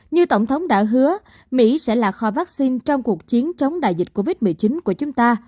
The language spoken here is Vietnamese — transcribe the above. như tổng thống đã hứa mỹ sẽ là kho vaccine trong cuộc chiến chống đại dịch covid một mươi chín của chúng ta